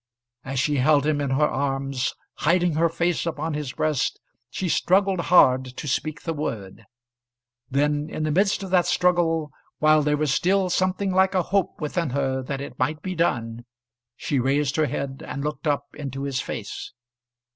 As she held him in her arms, hiding her face upon his breast, she struggled hard to speak the word. Then in the midst of that struggle, while there was still something like a hope within her that it might be done, she raised her head and looked up into his face.